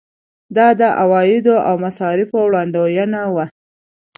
دا د عوایدو او مصارفو وړاندوینه وه.